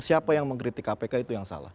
siapa yang mengkritik kpk itu yang salah